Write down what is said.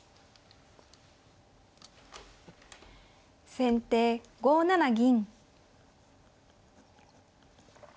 先手５七銀。